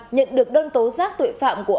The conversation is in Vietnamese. nhận được đơn tố giác tội phạm của